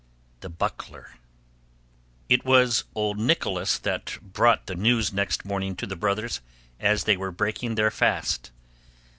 THE BUCKLER It was old Nicholas who brought the news next morning to the brothers as they were breaking their fast.